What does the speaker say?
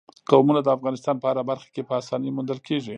قومونه د افغانستان په هره برخه کې په اسانۍ موندل کېږي.